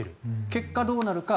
結果、どうなるか。